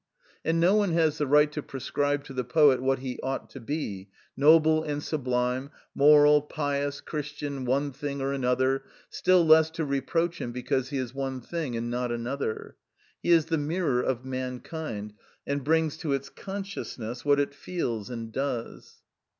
And no one has the right to prescribe to the poet what he ought to be—noble and sublime, moral, pious, Christian, one thing or another, still less to reproach him because he is one thing and not another. He is the mirror of mankind, and brings to its consciousness what it feels and does.